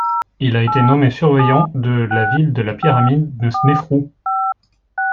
Il a été nommé surveillant de la ville de la pyramide de Snéfrou.